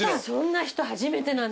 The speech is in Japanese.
そんな人初めて。